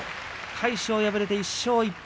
魁勝、敗れて１勝１敗。